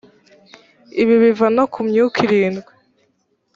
ibi biva no ku myuka irindwi